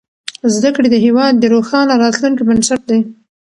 زدهکړې د هېواد د روښانه راتلونکي بنسټ دی.